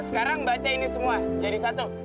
sekarang baca ini semua jadi satu